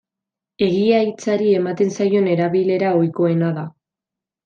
Egia hitzari ematen zaion erabilera ohikoena da.